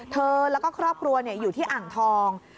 เธอแล้วก็ครอบครัวอยู่ที่อ่างทอง